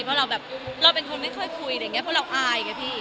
เพราะเราแบบเราเป็นคนไม่ค่อยคุยอะไรอย่างนี้เพราะเราอายไงพี่